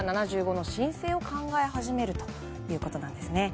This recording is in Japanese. ７５の申請を考え始めるということです。